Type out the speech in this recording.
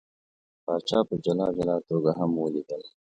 پاچا په جلا جلا توګه هم ولیدل.